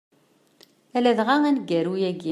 A ladɣa aneggaru-ayi.